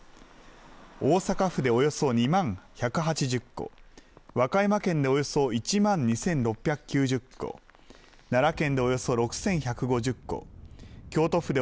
大阪府でおよそ２万１８０戸、和歌山県でおよそ１万２６９０戸、奈良県でおよそ６１５０戸、京都府で